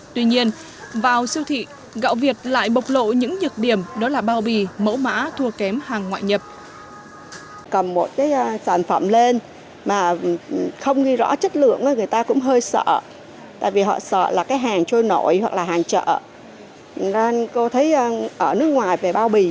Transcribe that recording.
tuy nhiên vào siêu thị gạo việt lại bộc lộ những nhược điểm đó là bao bì mẫu mã thua kém hàng ngoại nhập